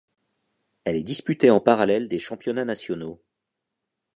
Elle est disputée en parallèle des championnats nationaux.